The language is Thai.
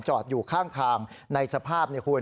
จอดอยู่ข้างข้ามในสภาพ